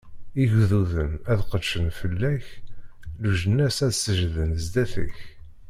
Igduden ad qedcen fell-ak, leǧnas ad seǧǧden zdat-k!